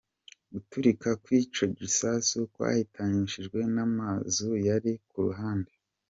Guturika kw'ico gisasu kwahitanishije n'amazu yari ku ruhande.